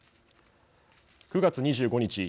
９月２５日